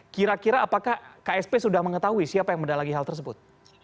kira kira apakah ksp sudah mengetahui siapa yang mendalangi hal tersebut